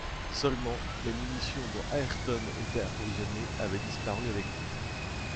Seulement, les munitions, dont Ayrton était approvisionné, avaient disparu avec lui.